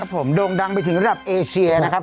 ผมโด่งดังไปถึงระดับเอเชียนะครับ